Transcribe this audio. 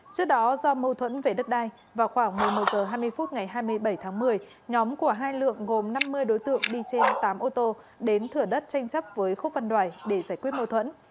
trước đó do mâu thuẫn về đất đai vào khoảng một mươi một h hai mươi phút ngày hai mươi bảy tháng một mươi nhóm của hai lượng gồm năm mươi đối tượng đi trên tám ô tô đến thửa đất tranh chấp với khúc văn đoài để giải quyết mâu thuẫn